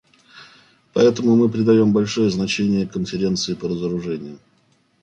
Поэтому мы придаем большое значение Конференции по разоружению.